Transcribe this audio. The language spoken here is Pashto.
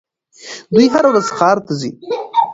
دوی هره ورځ ښار ته ځي.